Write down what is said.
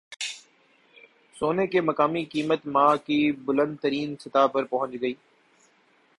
سونے کی مقامی قیمت ماہ کی بلند ترین سطح پر پہنچ گئی